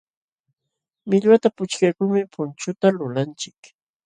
Millwata puchkaykulmi punchuta lulanchik.